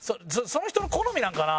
その人の好みなんかな？